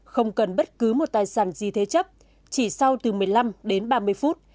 không cần bất cứ một tài sản gì thế chấp chỉ sau từ một mươi năm đến ba mươi phút